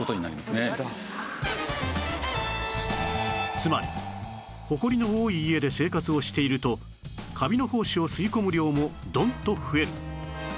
つまりほこりの多い家で生活をしているとカビの胞子を吸い込む量もドンと増える